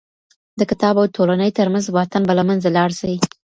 د کتاب او ټولني تر منځ واټن به له منځه لاړ سي.